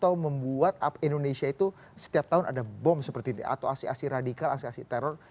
untuk bisa menyuburkan